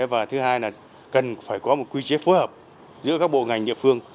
và thứ hai là cần phải có một quy chế phối hợp giữa các bộ ngành địa phương